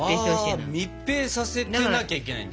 ああ密閉させてなきゃいけないんだ。